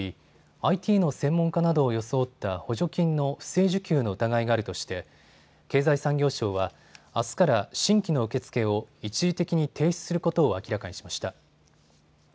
ＩＴの専門家などを装った補助金の不正受給の疑いがあるとして経済産業省はあすから新規の受け付けを一時的に停止することを明らかにしました。